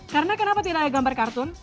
karena kenapa tidak ada gambar kartun